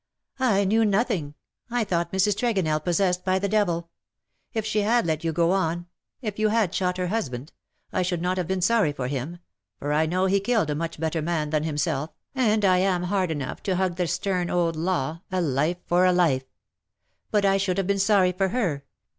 " I knew nothing. I thought Mrs. Tregonell vras 286 " SHE STOOD UP IN BITTER CASE, possessed by the deviL If she had let you go on — if you had shot her husband — I should not have been sorry for him — for I know he killed a much better man than himself, and I am hard enough to hug the stern old law — a life for a life. But I should have been sorry for her.